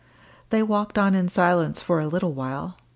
They walked on in silence for a little while.